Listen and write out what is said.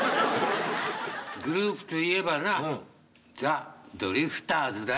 グループといえばなザ・ドリフターズだよ。